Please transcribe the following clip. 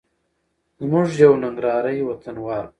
زموږ یو ننګرهاري وطنوال